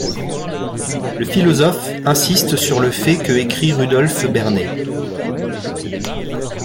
Le philosophe insiste sur le fait que écrit Rudolf Bernet.